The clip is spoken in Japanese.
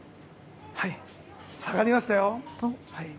下がりましたよ。